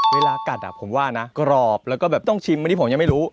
เวลากัดผมว่ากรอบแล้วก็ไม่ต้องชิมอย่างที่ผมยังไม่รู้